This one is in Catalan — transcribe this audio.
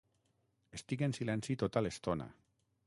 Estic en silenci tota l'estona.